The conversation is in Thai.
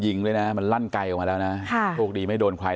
ยิงด้วยนะมันลั่นไกลออกมาแล้วนะโชคดีไม่โดนใคร